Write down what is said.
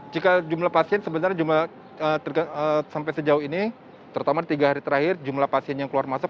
jika jumlah pasien sebenarnya sampai sejauh ini terutama tiga hari terakhir jumlah pasien yang keluar masuk